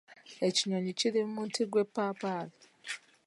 Ekinyonyi kiri ku muti gw'epapaali.